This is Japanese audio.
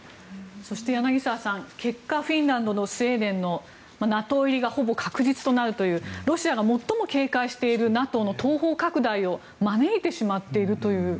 そして、柳澤さん結果フィンランドとスウェーデンのＮＡＴＯ入りがほぼ確実となるというロシアが最も警戒しているＮＡＴＯの東方拡大を招いてしまっているという。